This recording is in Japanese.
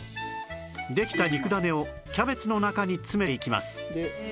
できた肉だねをキャベツの中に詰めていきます